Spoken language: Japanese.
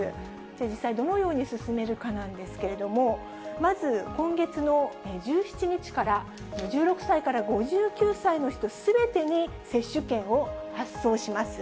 実際にどのように進めるかなんですけれども、まず今月の１７日から、１６歳から５９歳の人すべてに接種券を発送します。